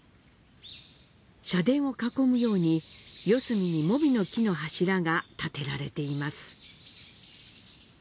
社殿を囲むように四隅にモミの木の柱が建てられています。